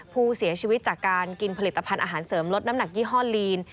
ผู้เสียชีวิตจากการกินผลิตภัณฑ์อาหารเสริมลดน้ำหนักยี่ห้อลีน